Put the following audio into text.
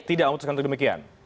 tidak untuk sekedar demikian